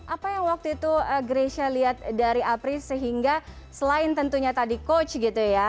apa yang waktu itu grecia lihat dari apri sehingga selain tentunya tadi coach gitu ya